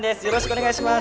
お願いします。